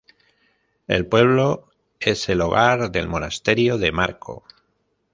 El pueblo es el hogar del monasterio de Marko.